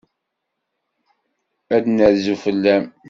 Ad d-nerzu fell-am.